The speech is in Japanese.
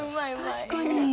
確かに。